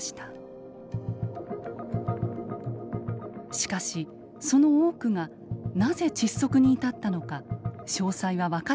しかしその多くがなぜ窒息に至ったのか詳細は分かっていませんでした。